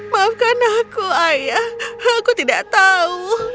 maafkan aku ayah aku tidak tahu